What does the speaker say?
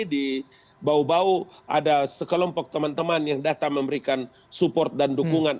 di bau bau ada sekelompok teman teman yang datang memberikan support dan dukungan